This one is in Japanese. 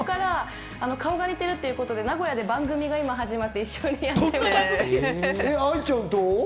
顔が似てるっていうことで、今名古屋で番組が始まって一緒にやってます。